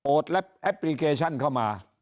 แอปพลิเคชันเข้ามา